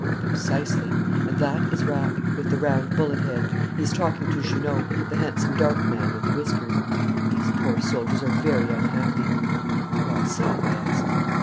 'Precisely. And that is Rapp, with the round, bullet head. He is talking to Junot, the handsome dark man with the whiskers. These poor soldiers are very unhappy.' 'Why so?' I asked.